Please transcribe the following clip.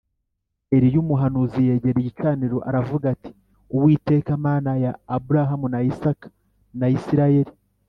Eliya umuhanuzi yegera igicaniro aravuga ati “Uwiteka Mana ya Aburahamu na Isaka na Isirayeli